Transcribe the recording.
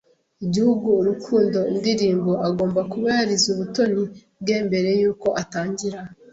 igihugu urukundo-indirimbo agomba kuba yarize mubuto bwe mbere yuko atangira